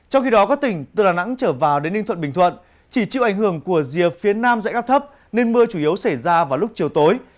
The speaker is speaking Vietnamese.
trong khi đó các tỉnh từ đà nẵng trở vào đến ninh thuận bình thuận chỉ chịu ảnh hưởng của rìa phía nam dãy áp thấp nên mưa chủ yếu xảy ra vào lúc chiều tối